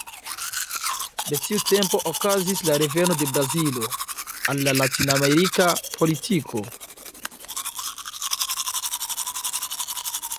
De tiu tempo okazis la reveno de Brazilo al latinamerika politiko.